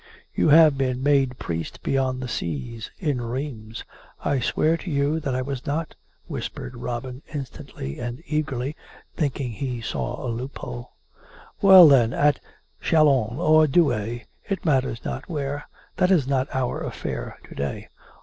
You have been made priest beyond the seas, in Rheims "" I swear to you that I was not," whispered Robin in stantly and eagerly, thinking he saw a loophole. " Well, then, at Chalons, or Douay: it matters not where. That is not our affair to day.